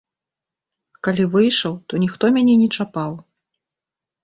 Калі выйшаў, то ніхто мяне не чапаў.